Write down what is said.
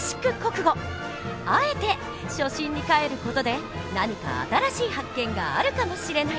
あえて初心にかえる事で何か新しい発見があるかもしれない！